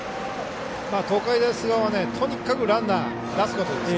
東海大菅生はとにかくランナーを出すことです。